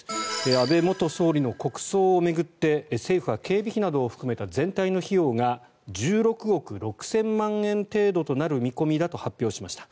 安倍元総理の国葬を巡って政府は、警備費などを含めた全体の費用が１６億６０００万円程度となる見込みだと発表しました。